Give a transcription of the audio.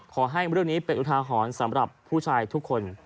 ขอให้เรื่องนี้เป็นอุทาหรณ์สำหรับผู้ชายทุกคน